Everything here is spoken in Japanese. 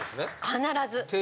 必ず。